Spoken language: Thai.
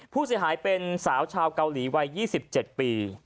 ผู้เสียหายเป็นสาวชาวเกาหลีวัย๒๗ปี